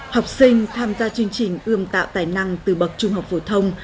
học sinh tham gia chương trình ươm tạo tài năng từ bậc trung học phổ thông